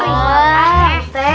wah bu teh